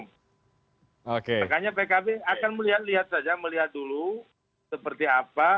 makanya tkb akan melihat saja melihat dulu seperti apa